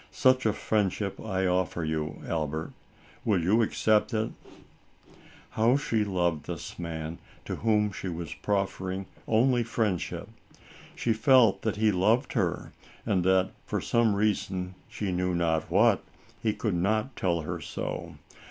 Such a friendship I offer you, Albert. Will you accept it ?" How she loved this man, to whom she was proffering only friendship. She felt that he loved her and that, for some reason, she knew not what, he could not tell her so.